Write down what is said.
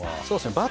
そうですね。